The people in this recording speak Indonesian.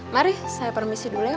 mari saya permisi dulu ya